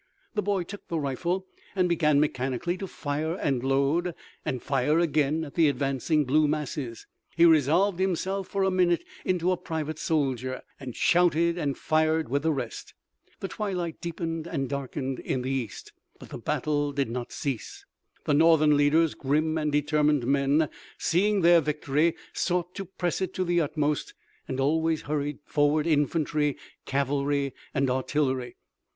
The boy took the rifle and began mechanically to fire and load and fire again at the advancing blue masses. He resolved himself for a minute into a private soldier, and shouted and fired with the rest. The twilight deepened and darkened in the east, but the battle did not cease. The Northern leaders, grim and determined men, seeing their victory sought to press it to the utmost, and always hurried forward infantry, cavalry and artillery.